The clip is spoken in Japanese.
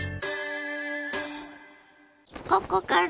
ここから？